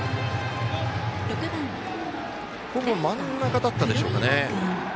ほぼ真ん中だったでしょうか。